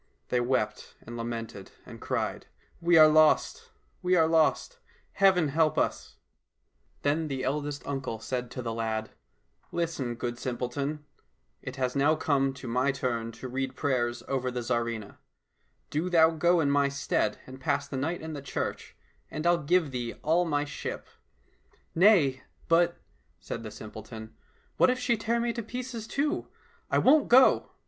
They wept and lamented and cried, " We are lost ! we are lost ! Heaven help us !" Then the 86 THE TSARIVNA AROSE FROM HER COFFIN 86 THE VAMPIRE AND ST MICHAEL eldest uncle said to the lad, " Listen, good simpleton ! It has now come to my turn to read prayers over the Tsarivna. Do thou go in my stead and pass the night in the church, and I'll give thee all my ship." —*' Nay, but," said the simpleton, " what if she tear me to pieces too ? I won't go